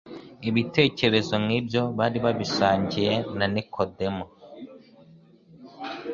Ibitekerezo nk'ibyo bari babisangiye na Nikodemu.